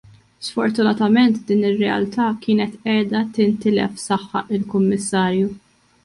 Sfortunatament din ir-realtà kienet qiegħda tintilef, saħaq il-Kummissarju.